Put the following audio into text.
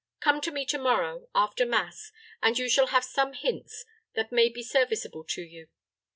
Come to me to morrow, after mass, and you shall have some hints that may be serviceable to you.